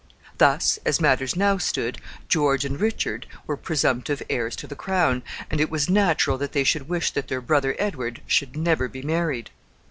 Thus, as matters now stood, George and Richard were presumptive heirs to the crown, and it was natural that they should wish that their brother Edward should never be married.